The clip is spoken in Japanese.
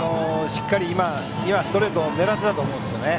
しっかり今、ストレートを狙っていたと思うんですね。